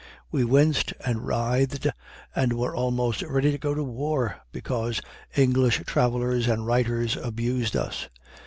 We winced and writhed, and were almost ready to go to war, because English travelers and writers abused us.